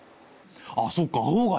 あっそっか青が平和か。